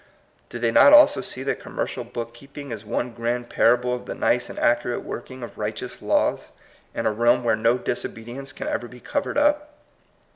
Do they not also see that commercial book keep ing is one grand parable of the nice and accurate working of righteous laws, in a realm where no disobedience can ever be covered up?